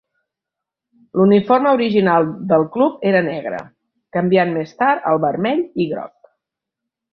L'uniforme original del club era negre, canviant més tard al vermell i groc.